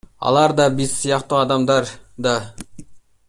Алар да биз сыяктуу адамдар да.